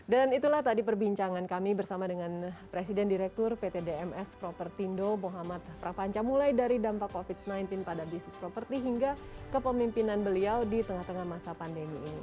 dan itulah tadi perbincangan kami bersama dengan presiden direktur pt dms propertindo muhammad prapanca mulai dari dampak covid sembilan belas pada bisnis properti hingga kepemimpinan beliau di tengah tengah masa pandemi ini